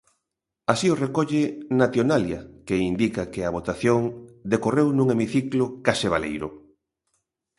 Así o recolle 'Nationalia', que indica que a votación decorreu nun hemiciclo case baleiro.